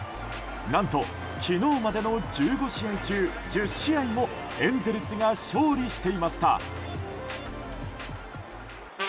何と、昨日までの１５試合中１０試合もエンゼルスが勝利していました。